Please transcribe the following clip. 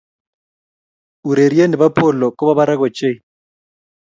Urerie ne bo Polo ko bo barak ochei.